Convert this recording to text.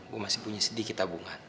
gue masih punya sedikit tabungan